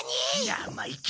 生意気な。